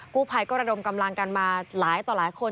กู้ภัยก็ระดมกำลังกันมาหลายต่อหลายคน